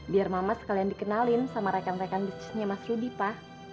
biar mama sekalian dikenalin sama rekan rekan bisnisnya mas rudy pak